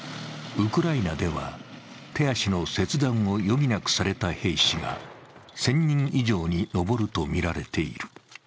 ウクライナでは手足の切断を余儀なくされた兵士が１０００人以上に上るとみられている。